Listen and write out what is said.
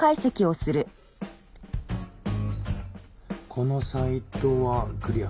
このサイトはクリア。